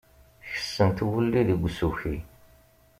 Kessent wulli deg usuki.